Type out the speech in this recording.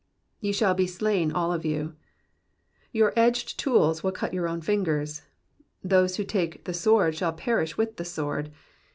''Te shall he slain all ofyou,'^'* Your edged tools will cut your own fingers. Those who take the sword shall perish with the sword.